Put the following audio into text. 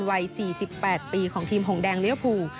วัย๔๘ปีของทีมหงแดงเลี้ยวภู